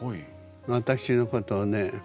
私のことをね